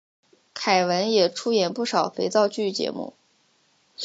凯文也出演不少肥皂剧节目。